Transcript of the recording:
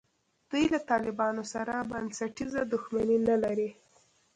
دوی له طالبانو سره بنسټیزه دښمني نه لري.